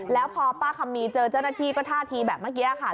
แล้วพอป้าคำมีเจอเจ้าหน้าที่ก็ท่าทีแบบเมื่อกี้ค่ะ